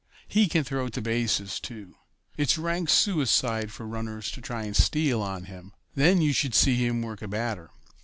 He can throw to bases, too; it's rank suicide for runners to try to steal on him. Then you should see him work a batter.